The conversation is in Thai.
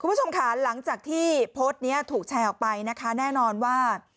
คุณผู้ชมค่ะหลังจากที่โพสต์นี้ถูกแชร์ออกไปนะคะแน่นอนว่า